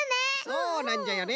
そうなんじゃよね。